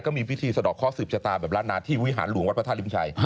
ก็มีพิธีสดอกข้อสืบชะตามแบบรัฐนาที่วิหารหลวงวัดพระท่านริมชัย